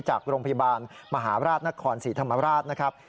จากโรงพยาบาลมหาราชนครศรีธรรมราชนะครับ